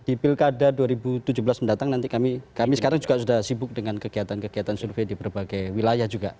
di pilkada dua ribu tujuh belas mendatang nanti kami sekarang juga sudah sibuk dengan kegiatan kegiatan survei di berbagai wilayah juga